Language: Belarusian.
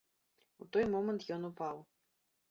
У той момант ён упаў.